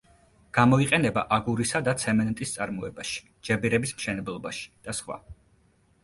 გამოიყენება აგურისა და ცემენტის წარმოებაში, ჯებირების მშენებლობაში და სხვა.